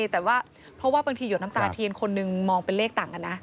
แต่ว่าเพราะว่าบางทีหยดน้ำตาเทียนคนหนึ่งมองเป็นเลขต่างกันนะ